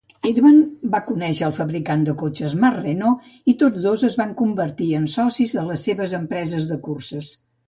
Irvan va conèixer el fabricant de cotxes Marc Reno i tots dos es van convertir en socis de les seves empreses de curses.